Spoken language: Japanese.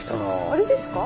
あれですか？